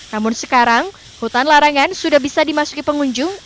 namun sekarang hutan larangan sudah bisa dimasuki pengunjung